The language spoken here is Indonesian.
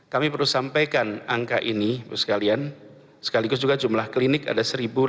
kami perlu sampaikan angka ini sekaligus juga jumlah klinik ada satu delapan ratus tiga puluh delapan